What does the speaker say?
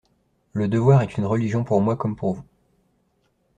Le devoir est une religion pour moi comme pour vous.